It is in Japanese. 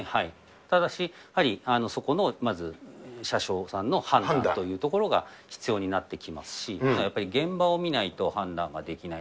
ただし、やはりそこのまず車掌さんの判断というところが必要になってきますし、やっぱり現場を見ないと、判断ができない。